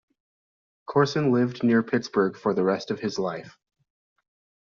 Courson lived near Pittsburgh for the rest of his life.